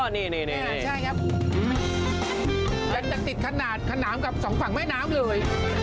นี่ใช่ครับยังจะติดขนาดขนามกับสองฝั่งแม่น้ำเลย